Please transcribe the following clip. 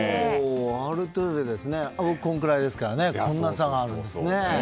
アルトゥーベ、僕このくらいですからこんな差があるんですね。